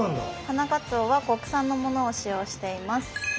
花かつおは国産のものを使用しています。